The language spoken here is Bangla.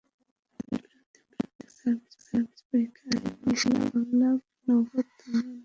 তাঁদের বিরুদ্ধে পাবলিক সার্ভিস পরীক্ষা আইনে শেরেবাংলা নগর থানায় মামলা হয়।